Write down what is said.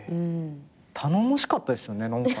頼もしかったですよね何か。